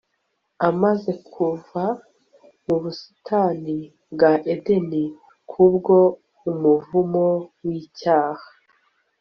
amaze kuva mu busitani bwa edeni kubwo umuvumo w'icyaha